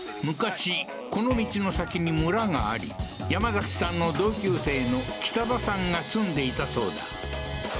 昔この道の先に村があり山崎さんの同級生の北田さんが住んでいたそうだ